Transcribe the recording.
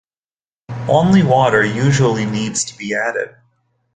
Only water usually needs to be added.